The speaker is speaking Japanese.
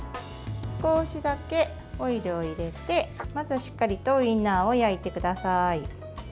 少しだけオイルを入れてまずはしっかりとウインナーを焼いてください。